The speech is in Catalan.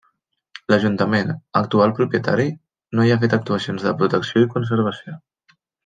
L’Ajuntament, actual propietari, no hi ha fet actuacions de protecció i conservació.